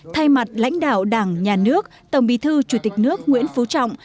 thay mặt lãnh đạo đảng nhà nước tổng bí thư chủ tịch nước nguyễn phú trọng